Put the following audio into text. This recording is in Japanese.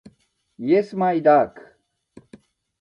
イエスマイダーク